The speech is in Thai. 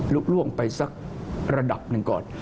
ล่วงไปสักระดับหนึ่งก่อน